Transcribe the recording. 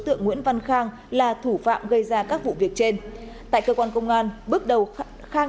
tượng nguyễn văn khang là thủ phạm gây ra các vụ việc trên tại cơ quan công an bước đầu khang